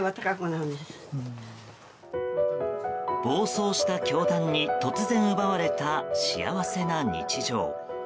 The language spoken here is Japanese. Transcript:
暴走した教団に突然奪われた、幸せな日常。